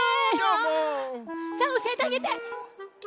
さあおしえてあげて！